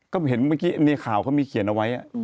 ก็เห็นเมื่อกี้ในข่าวเขามีเขียนเอาไว้